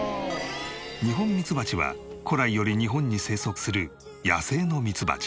ニホンミツバチは古来より日本に生息する野生のミツバチ。